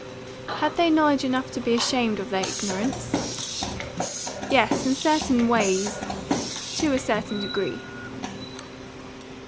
"Had they knowledge enough to be ashamed of their ignorance?" "Yes, in certain ways to a certain degree."